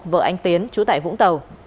vợ anh tiến chú tải vũng tàu